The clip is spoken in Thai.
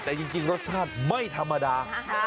แต่จริงรสชาติไม่ธรรมดา